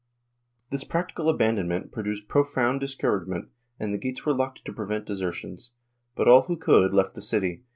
This practical abandonment produced profound discourage ment and the gates were locked to prevent desertions, but all who could left the city.